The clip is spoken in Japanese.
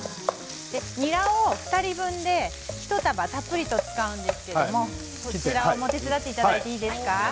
ニラを２人分で１束たっぷりと使うんですけれど手伝っていただいていいですか？